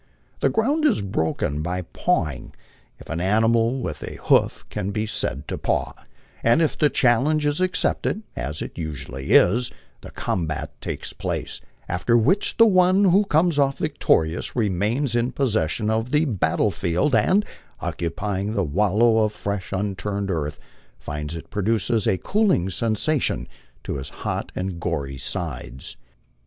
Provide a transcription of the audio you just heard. The ground is broken by pawing if an animal with a hoof can be said to paw and if the challenge is accepted, as it usually is, the combat takes place ; after which the one who comes off victori ous remains in possession of the battle field, and, occupying the "wallow " of fresh upturned earth, finds it produces a cooling sensation to his hot and gory sides.